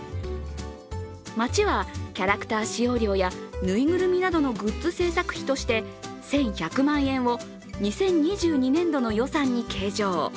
町は、キャラクター使用料やぬいぐるみなどのグッズ製作費として１１００万円を２０２２年度の予算に計上。